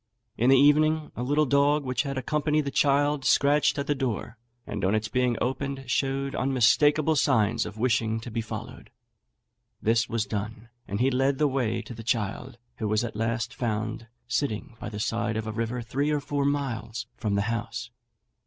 In the evening a little dog, which had accompanied the child, scratched at the door, and on its being opened showed unmistakeable signs of wishing to be followed. This was done; and he led the way to the child, who was at last found sitting by the side of a river three or four miles from the house.